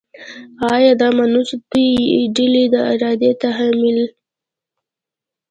آیا دا ومنو چې د یوې ډلې د ارادې تحمیل